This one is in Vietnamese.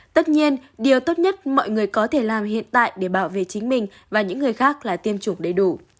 tất nhiên điều tốt nhất mọi người có thể làm hiện tại để bảo vệ chính mình và những người khác là tiêm chủng đầy đủ